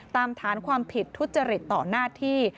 ตามฐานความผิดทุจริตต่อหน้าที่